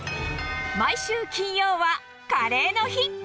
毎週金曜はカレーの日。